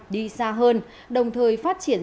đi xa hơn đồng thời phát triển